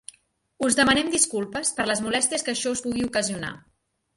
Us demanem disculpes per les molèsties que això us pugui ocasionar.